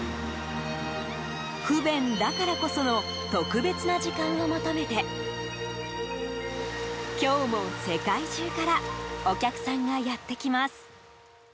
不便だからこその特別な時間を求めて今日も、世界中からお客さんがやってきます。